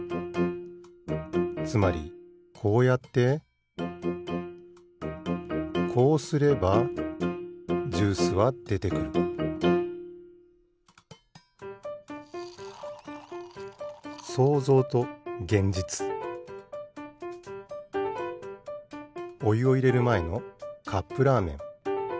つまりこうやってこうすればジュースはでてくるおゆをいれるまえのカップラーメン。